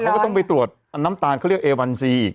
เขาก็ต้องไปตรวจน้ำตาลเขาเรียกเอวันซีอีก